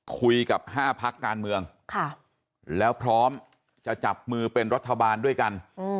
คุยกับ๕พักการเมืองแล้วพร้อมจะจับมือเป็นรัฐบาลด้วยกัน